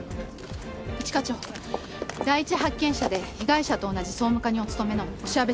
一課長第一発見者で被害者と同じ総務課にお勤めの押谷部さんです。